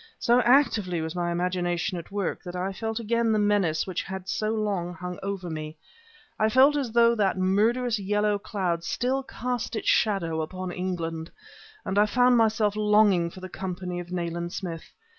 So actively was my imagination at work that I felt again the menace which so long had hung over me; I felt as though that murderous yellow cloud still cast its shadow upon England. And I found myself longing for the company of Nayland Smith.